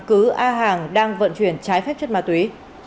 cứ a hàng đang vận chuyển trái phép chất ma túy